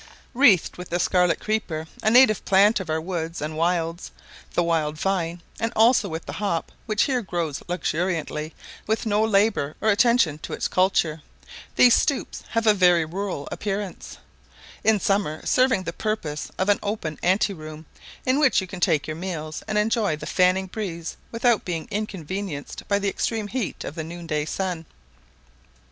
Wreathed with the scarlet creeper, a native plant of our woods and wilds, the wild vine, and also with the hop, which here grows luxuriantly, with no labour or attention to its culture, these stoups have a very rural appearance; in summer serving the purpose of an open ante room, in which you can take your meals and enjoy the fanning breeze without being inconvenienced by the extreme heat of the noon day sun.